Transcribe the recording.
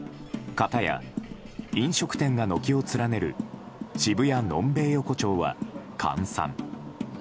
かたや飲食店が軒を連ねる渋谷のんべい横丁は閑散。